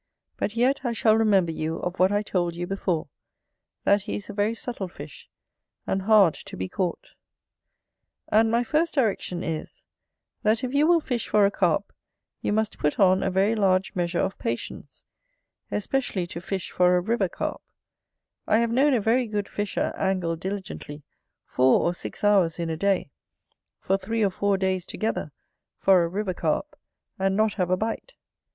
But yet I shall remember you of what I told you before, that he is a very subtil fish, and hard to be caught. And my first direction is, that if you will fish for a Carp, you must put on a very large measure of patience, especially to fish for a river Carp: I have known a very good fisher angle diligently four or six hours in a day, for three or four days together, for a river Carp, and not have a bite.